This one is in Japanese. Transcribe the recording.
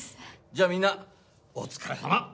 じゃあみんなお疲れさま。